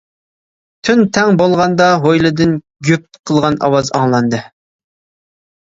تۈن تەڭ بولغاندا ھويلىدىن «گۈپ» قىلغان ئاۋاز ئاڭلاندى.